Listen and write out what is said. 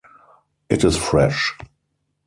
It is fresh.